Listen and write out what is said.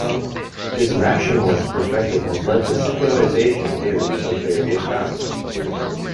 This rationalist perspective has led to secularization theories of various kinds.